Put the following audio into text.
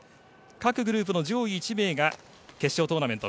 各グループの上位１名が決勝トーナメント